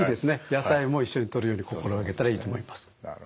野菜も一緒にとるように心掛けたらいいと思います。